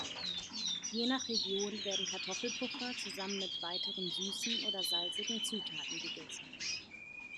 Je nach Region werden Kartoffelpuffer zusammen mit weiteren süßen oder salzigen Zutaten gegessen.